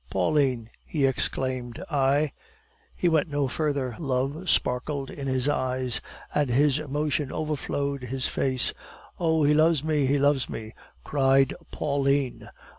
"Pauline," he exclaimed, "I " He went no further, love sparkled in his eyes, and his emotion overflowed his face. "Oh, he loves me! he loves me!" cried Pauline.